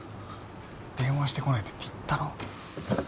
電話してこないでって言ったろ？